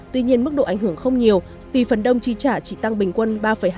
tuy nhiên mức độ ảnh hưởng không nhiều vì phần đồng chi trả chỉ tăng bình quân ba hai mươi ba